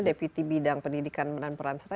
deputi bidang pendidikan dan peran serta